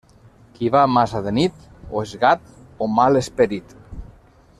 Qui va massa de nit, o és gat o mal esperit.